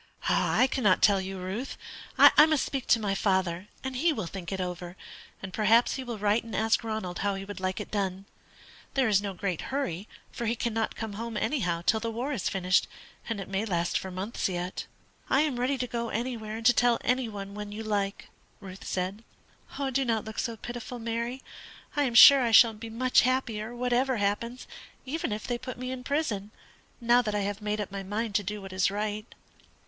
"I cannot tell you, Ruth. I must speak to my father, and he will think it over, and perhaps he will write and ask Ronald how he would like it done. There is no great hurry, for he cannot come home anyhow till the war is finished, and it may last for months yet." "Well, I am ready to go anywhere and to tell every one when you like," Ruth said. "Do not look so pitiful, Mary. I am sure I shall be much happier, whatever happens, even if they put me in prison, now that I have made up my mind to do what is right."